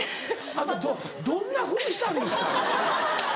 あんたどんな振りしたんですか？